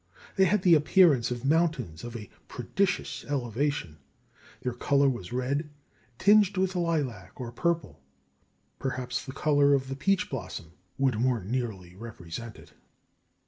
They had the appearance of mountains of a prodigious elevation; their colour was red, tinged with lilac or purple; perhaps the colour of the peach blossom would more nearly represent it.